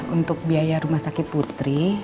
untuk biaya rumah sakit putri